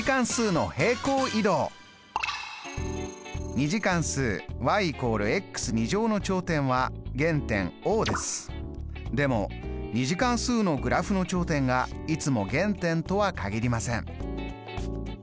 ２次関数＝の頂点は原点Ｏですでも２次関数のグラフの頂点がいつも原点とは限りません。